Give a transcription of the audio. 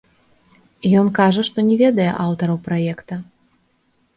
Ён кажа, што не ведае аўтараў праекта.